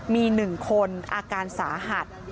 มี๑คนอาการสาหัส